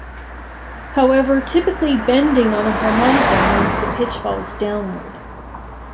However, typically "bending" on a harmonica means the pitch falls downward.